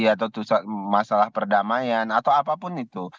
atau masalah perdamaian atau apapun itu